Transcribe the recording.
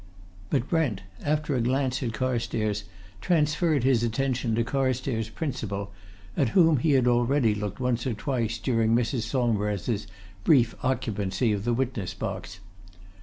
But Brent, after a glance at Carstairs, transferred his attention to Carstairs's principal, at whom he had already looked once or twice during Mrs. Saumarez's brief occupancy of the witness box.